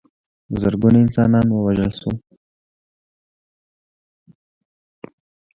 زرګونه انسانان ووژل شول.